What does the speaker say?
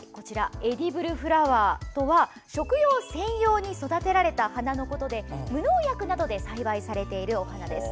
エディブルフラワーとは食用専用に育てられた花のことで無農薬などで栽培されているお花です。